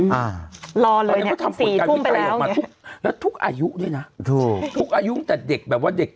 อ่ารอเลยเนี้ยสี่ทุ่มไปแล้วแล้วทุกอายุด้วยนะถูกทุกอายุแต่เด็กแบบว่าเด็ก